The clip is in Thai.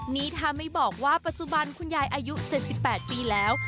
นี่ถ้าไม่บอกว่าปัจจุบันคุณยายอายุ๗๘ปีแล้ว